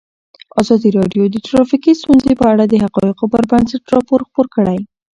ازادي راډیو د ټرافیکي ستونزې په اړه د حقایقو پر بنسټ راپور خپور کړی.